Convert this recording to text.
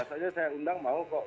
saja saya undang mau kok